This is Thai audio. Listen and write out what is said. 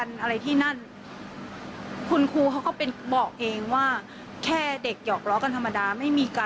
ฟังเสียงคุณแม่และก็น้องที่เสียชีวิตค่ะ